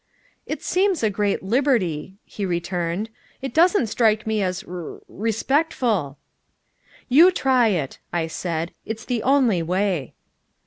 "It seems a great liberty," he returned. "It doesn't strike me as r r respectful." "You try it," I said. "It's the only way."